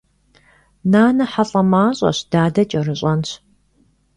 Нанэ хьэлӏамащӏэщ, дадэ кӏэрыщӏэнщ.